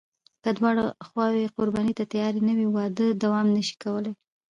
که دواړه خواوې قرباني ته تیارې نه وي، واده دوام نشي کولی.